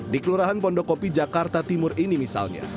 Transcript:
di kelurahan pondokopi jakarta timur ini misalnya